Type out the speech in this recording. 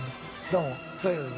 どうもそういう事で。